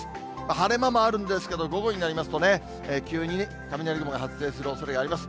晴れ間もあるんですけど、午後になりますとね、急に雷雲が発生するおそれがあります。